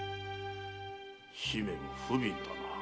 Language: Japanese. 姫も不憫だなあ。